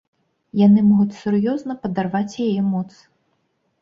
Яны могуць сур'ёзна падарваць яе моц.